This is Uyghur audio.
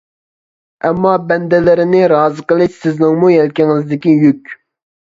ئەمما بەندىلىرىنى رازى قىلىش سىزنىڭمۇ يەلكىڭىزدىكى يۈك!